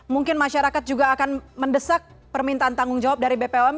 mungkin masyarakat juga akan mendesak permintaan tanggung jawab dari bpom